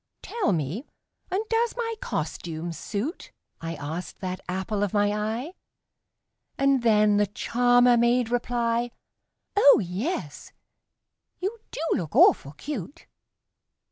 "Tell me and does my costume suit?" I asked that apple of my eye And then the charmer made reply, "Oh, yes, you do look awful cute!"